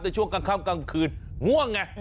ในช่วงกลางค่ำกลางคืนง่วงไง